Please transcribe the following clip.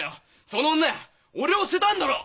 その女や俺を捨てたんだろ！？